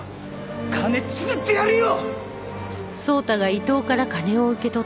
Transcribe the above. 金作ってやるよ！